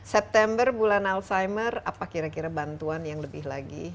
september bulan alzheimer apa kira kira bantuan yang lebih lagi